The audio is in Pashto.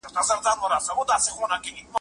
واښه وچ وو او ژر اور واخیست.